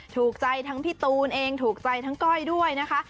ถูกใจทั้งพี่ตูนเองถูกใจทั้งก้อยด้วยนะคะ